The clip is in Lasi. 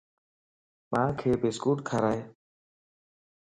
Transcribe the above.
مانک بسڪوٽ ڪارائي